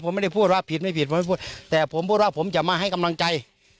ผมไม่ได้พูดว่าผิดไม่ผิดผมไม่พูดแต่ผมพูดว่าผมจะมาให้กำลังใจ